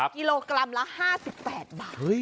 กิโลกรัมละ๕๘บาท